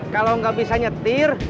kalau gak bisa nyetir